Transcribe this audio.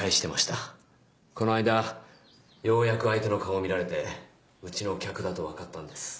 この間ようやく相手の顔を見られてうちの客だと分かったんです。